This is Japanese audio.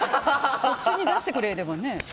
そっちに出してくれればね。